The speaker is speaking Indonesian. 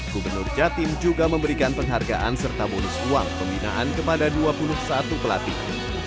gubernur jatim juga memberikan penghargaan serta bonus uang pembinaan kepada dua puluh satu pelatih